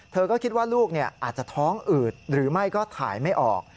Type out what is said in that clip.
เธอก็คิดว่าลูกอาจจะท้องอืดหรือไม่ก็ถ่ายไม่ออก